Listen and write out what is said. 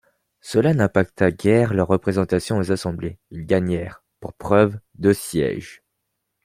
Cela n'impacta guère leur représentation aux assemblées; ils gagnèrent, pour preuve, deux sièges.